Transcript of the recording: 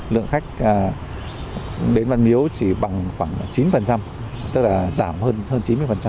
lượng khách đến văn miếu chỉ bằng khoảng chín tức là giảm hơn chín mươi